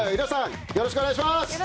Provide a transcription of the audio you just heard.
よろしくお願いします。